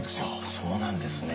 そうなんですね。